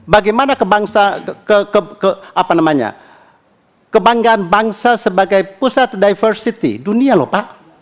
bagaimana kebanggaan bangsa sebagai pusat diversity dunia lho pak